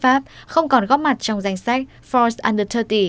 pháp không còn góp mặt trong danh sách voice under ba mươi